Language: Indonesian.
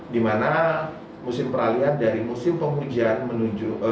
di mana musim peralihan dari musim penghujan menuju